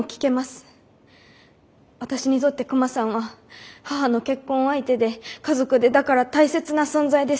私にとってクマさんは母の結婚相手で家族でだから大切な存在です。